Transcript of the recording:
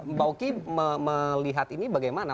mbak oki melihat ini bagaimana